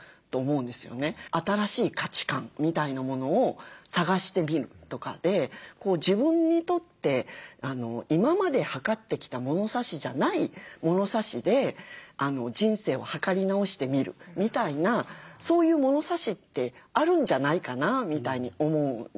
新しい価値観みたいなものを探してみるとかで自分にとって今まではかってきた物差しじゃない物差しで人生をはかり直してみるみたいなそういう物差しってあるんじゃないかなみたいに思うんですよね。